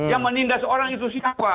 yang menindas orang itu siapa